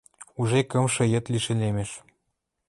Уже кымшы йыд лишӹлемеш —